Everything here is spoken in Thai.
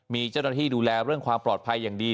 มีเจ้าหน้าที่ดูแลเรื่องความปลอดภัยอย่างดี